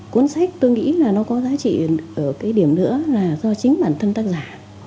cuốn sách tôi nghĩ là nó có giá trị ở cái điểm nữa là do chính bản thân tác giả